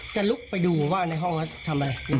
จะลุกไปดูว่าในห้องเขาทำอะไร